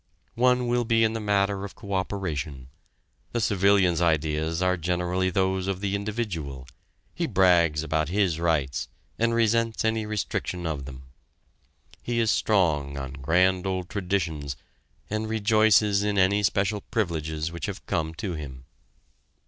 One will be in the matter of coöperation; the civilian's ideas are generally those of the individual he brags about his rights and resents any restriction of them. He is strong on grand old traditions, and rejoices in any special privileges which have come to him.